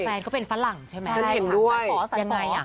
แฟนเขาเป็นฝรั่งใช่ไหมฉันเห็นด้วยสันผอยังไงอ่ะ